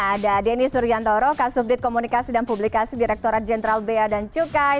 ada denny suryantoro kasubdit komunikasi dan publikasi direkturat jenderal bea dan cukai